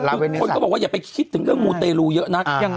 คนก็บอกอย่าไปคิดถึงเรื่องมูเตรูเยอะนะ